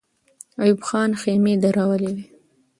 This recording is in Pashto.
ایوب خان خېمې درولې وې.